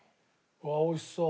うわ美味しそう。